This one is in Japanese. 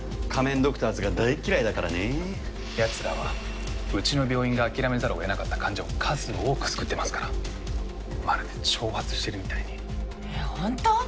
ドクターズが大嫌いだからねやつらはうちの病院が諦めざるをえなかった患者を数多く救っていますからまるで挑発してるみたいにえっホント？